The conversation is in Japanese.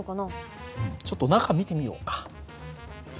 うんちょっと中見てみようか。